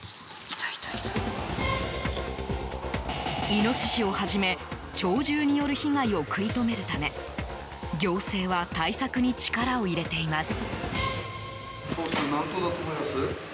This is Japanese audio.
イノシシをはじめ鳥獣による被害を食い止めるため行政は対策に力を入れています。